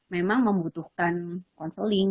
memang membutuhkan counseling